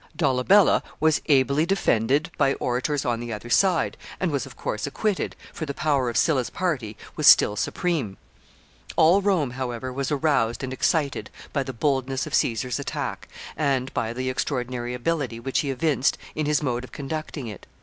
Dolabella was ably defended by orators on the other side, and was, of course, acquitted, for the power of Sylla's party was still supreme. All Rome, however, was aroused and excited by the boldness of Caesar's attack, and by the extraordinary ability which he evinced in his mode of conducting it.